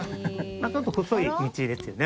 「ちょっと細い道ですよね」